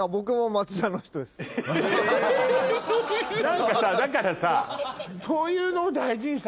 何かさだからさ。